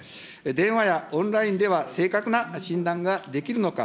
電話やオンラインでは正確な診断ができるのか。